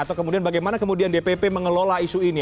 atau kemudian bagaimana kemudian dpp mengelola isu ini